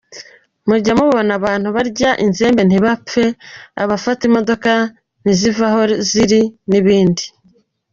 Mujya mubona abantu barya inzembe ntibapfe, abafata imodoka ntizive aho ziri, etc.